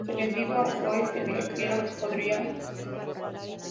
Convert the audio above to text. Si le digo a Zoey que la quiero, podría arruinar nuestra amistad".